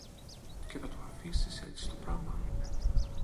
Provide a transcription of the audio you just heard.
Και θα το αφήσεις έτσι το πράμα;